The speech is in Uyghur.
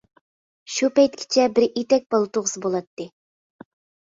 شۇ پەيتكىچە بىر ئېتەك بالا تۇغسا بولاتتى.